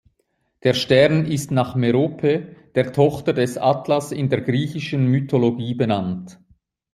Der Stern ist nach Merope, der Tochter des Atlas in der griechischen Mythologie benannt.